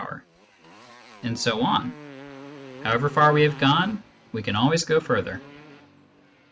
a)", and so on ; however far we have gone, we can always go further.